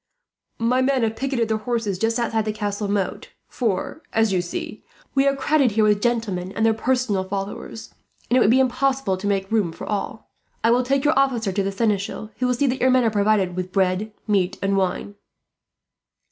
My men have picketed their horses just outside the castle moat; for, as you see, we are crowded here with gentlemen and their personal followers, and it would be impossible to make room for all. I will take your officer to the seneschal, who will see that your men are provided with bread, meat, and wine.